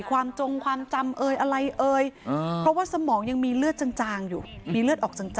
ความธรรมอะไรเพราะว่าสมองยังมีเลือดจางยู่